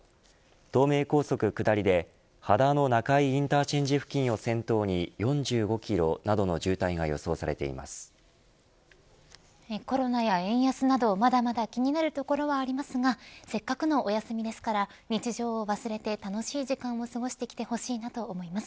東名高速下りで秦野中井インターチェンジ付近を先頭に４５キロコロナや円安などまだまだ気になるところはありますがせっかくのお休みですから日常を忘れて楽しい時間を過ごしてきてほしいなと思います。